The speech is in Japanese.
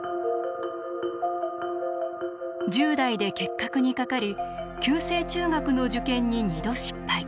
１０代で結核にかかり旧制中学の受験に２度失敗。